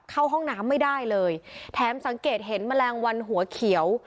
เข้าห้องน้ำไม่ได้เลยแถมสังเกตเห็นแมลงวันหัวเขียว